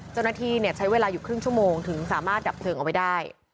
เจ้าหน้าที่ใช้เวลาอยู่ครึ่งชั่วโมงถึงสามารถดับเพลิงเอาไว้ได้